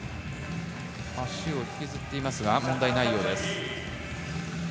足をひきずっていますが問題ないようです。